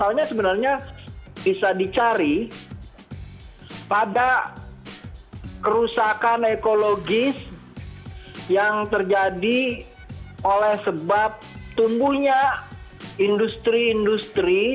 hal ini sebenarnya bisa dicari pada kerusakan ekologis yang terjadi oleh sebab tumbuhnya industri industri